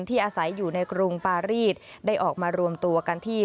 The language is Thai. อาศัยอยู่ในกรุงปารีสได้ออกมารวมตัวกันที่